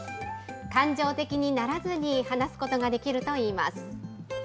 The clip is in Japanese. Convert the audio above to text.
感情的にならずに話すことができるといいます。